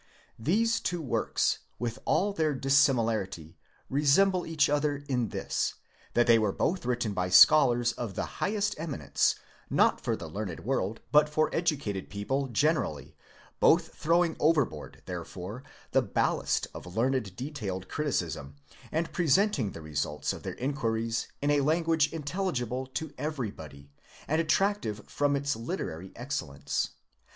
These two works, with all their dissimi Jarity, resemble each other in this, that they were 'both written by scholars of the highest eminence, snot for the learned world, but for educated people generally, both throwing overboard, therefore, the 'ballast of learned detailed criticism, and present ing the results of their inquiries in a language intelligible to everybody, and attractive from its literary excellence.